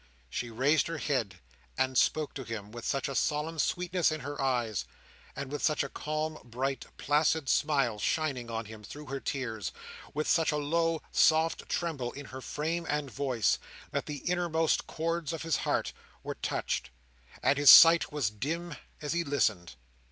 She raised her head, and spoke to him with such a solemn sweetness in her eyes; with such a calm, bright, placid smile shining on him through her tears; with such a low, soft tremble in her frame and voice; that the innermost chords of his heart were touched, and his sight was dim as he listened.